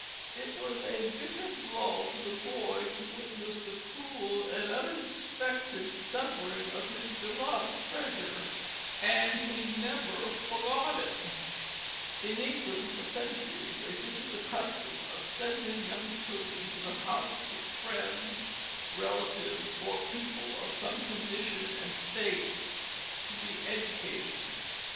It was a bitter blow to the boy to witness the cruel and unexpected severing of his beloved treasure, and he never forgot it. [Illustration: Nathan Hale Schoolhouse] In England for centuries existed the custom of sending young children to the houses of friends, relatives, or people of some condition and state to be educated.